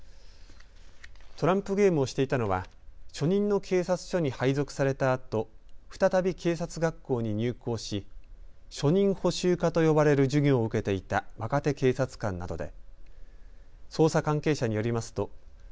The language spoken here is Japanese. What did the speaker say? トランプゲームをしていたのは初任の警察署に配属されたあと再び警察学校に入校し、初任補修科と呼ばれる授業を受けていた若手警察官などです。